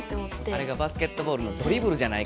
あれがバスケットボールのドリブルじゃないかと。